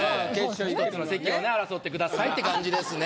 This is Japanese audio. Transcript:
１つの席をね争ってくださいって感じですね。